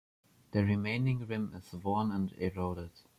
The remaining rim is worn and eroded.